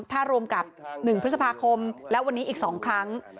ถ้ารวมกับ๑พฤษภาคมและวันนี้อีก๒ครั้ง